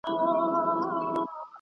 د جنسي جذبې اوج د شاعری انځورګرۍ